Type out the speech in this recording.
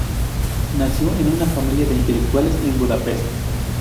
Nació en una familia de intelectuales en Budapest.